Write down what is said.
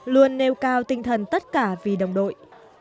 luôn nêu cao tinh thần tất cả vì đồng đội